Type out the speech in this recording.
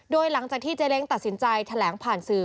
โดยหลังจากที่เจ๊เล้งตัดสินใจแถลงผ่านสื่อ